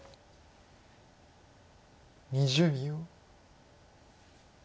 ２０秒。